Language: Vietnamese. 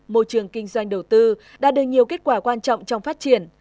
môi trường kinh doanh đầu tư đã được nhiều kết quả quan trọng trong phát triển